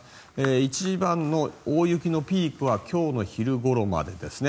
一番の大雪のピークは今日の昼ごろまでですね。